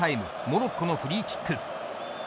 モロッコのフリーキック。